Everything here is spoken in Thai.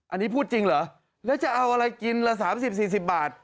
อันนี้พูดจริงเหรอแล้วจะเอาอะไรกินละ๓๐๔๐บาท